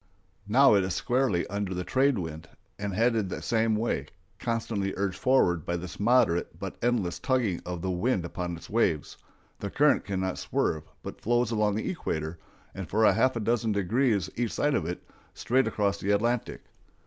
Now it is squarely under the trade wind and headed the same way; constantly urged forward by this moderate but endless tugging of the wind upon its waves, the current can never swerve, but flows along the equator, and for half a dozen degrees each side of it, straight across the Atlantic.